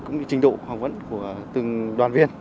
cũng như trình độ học vấn của từng đoàn viên